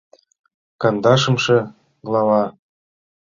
КАНДАШЫМШЕ ГЛАВА